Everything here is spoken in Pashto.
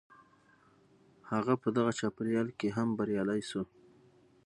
هغه په دغه چاپېريال کې هم بريالی شو.